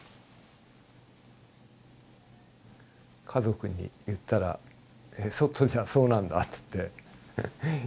家族に言ったら「え？外じゃそうなんだ」つって。